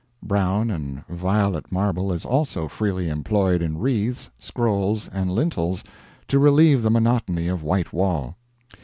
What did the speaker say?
Brown and violet marble is also freely employed in wreaths, scrolls, and lintels to relieve the monotony of white wall.